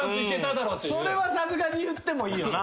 それはさすがに言ってもいいよな。